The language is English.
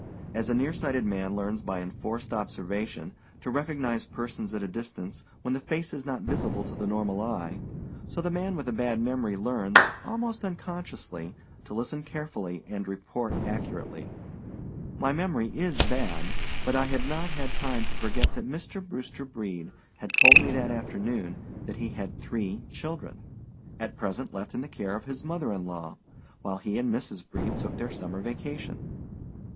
As a nearsighted man learns by enforced observation to recognize persons at a distance when the face is not visible to the normal eye, so the man with a bad memory learns, almost unconsciously, to listen carefully and report accurately. My memory is bad; but I had not had time to forget that Mr. Brewster Brede had told me that afternoon that he had three children, at present left in the care of his mother in law, while he and Mrs. Brede took their summer vacation.